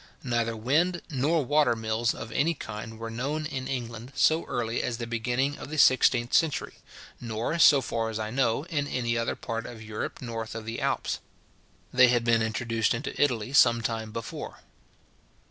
Neither wind nor water mills of any kind were known in England so early as the beginning of the sixteenth century, nor, so far as I know, in any other part of Europe north of the Alps. They had been introduced into Italy some time before.